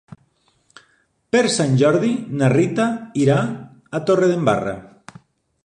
Per Sant Jordi na Rita irà a Torredembarra.